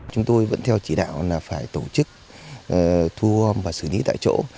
chúng tôi vẫn theo chỉ đạo là phải tổ chức thu hôm và xử lý tại chỗ